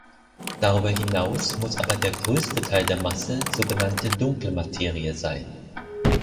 Darüber hinaus muss aber der größte Teil der Masse sogenannte Dunkle Materie sein.